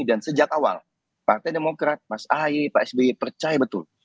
dan sejak awal partai demokrat mas ahy pak sby percaya betul